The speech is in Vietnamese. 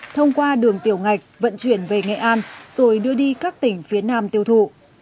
thông qua đường tiểu ngạch vận chuyển về nghệ an rồi đưa đi các tỉnh phía nam tiêu thụ